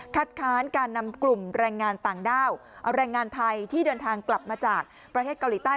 ค้านการนำกลุ่มแรงงานต่างด้าวเอาแรงงานไทยที่เดินทางกลับมาจากประเทศเกาหลีใต้